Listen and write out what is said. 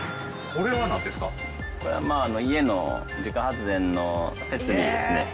これは家の自家発電の設備ですね。